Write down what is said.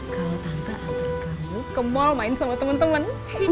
kalau tante antar kamu ke mal main sama temen temen